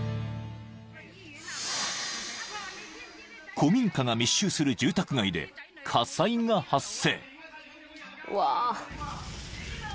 ［古民家が密集する住宅街で火災が発生］